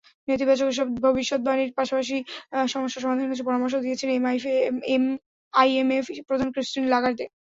নেতিবাচক এসব ভবিষ্যদ্বাণীর পাশাপাশি সমস্যা সমাধানে কিছু পরামর্শও দিয়েছেন আইএমএফ-প্রধান ক্রিস্টিন লাগার্দে।